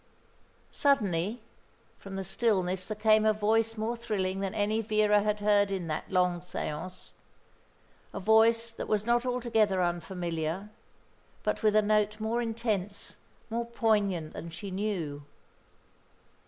Suddenly from the stillness there came a voice more thrilling than any Vera had heard in that long séance, a voice that was not altogether unfamiliar, but with a note more intense, more poignant than she knew.